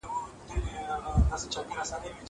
زه اجازه لرم چي پاکوالی وکړم!